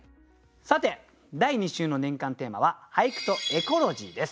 さて第２週の年間テーマは「俳句とエコロジー」です。